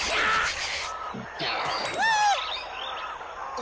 あ！